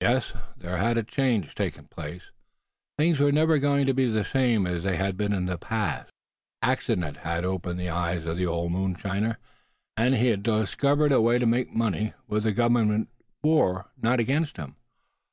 Yes, there had a change taken place; things were never going to be the same as they had been in the past. Accident had opened the eyes of the old mountaineer, and he had discovered a way to make money, with the Government for, not against him.